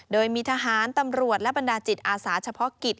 โดยมีทหารตำรวจและบรรดาจิตอาสาเฉพาะกิจ